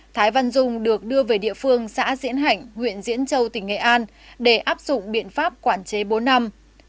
thái văn dung được đưa về địa phương xã diễn hạnh huyện diễn châu tỉnh nghệ an để áp dụng biện pháp quản chế bốn năm